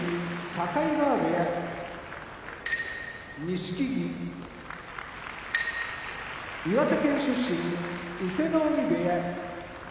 境川部屋錦木岩手県出身伊勢ノ海部屋